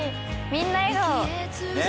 みんな笑顔。